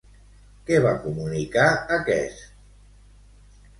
Què va comunicar aquest?